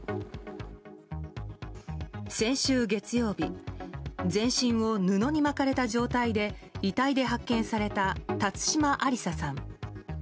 先週月曜日全身を布にまかれた状態で遺体で発見された辰島ありささん。